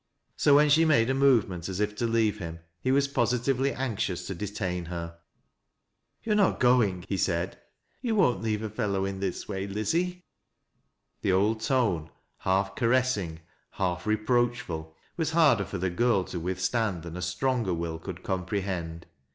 So, when she made a movement as if tri leave him, he was positively anxious to detain her. " You are not going ?" he said. " You won't leave a fellow in this way, Lizzie ?" The old tone, half caressing, half reproachful, was harder for the girl to withstand than a stronger will could comprehend.